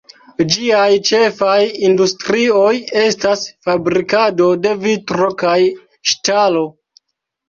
Ĝiaj ĉefaj industrioj estas fabrikado de vitro kaj ŝtalo.